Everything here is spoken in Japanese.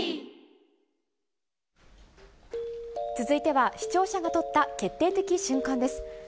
続いては、視聴者が撮った決定的瞬間です。